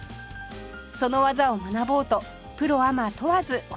その技を学ぼうとプロアマ問わず訪れています